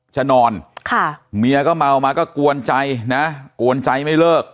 จะนอนค่ะเมียก็เมามาก็กวนใจนะกวนใจไม่เลิก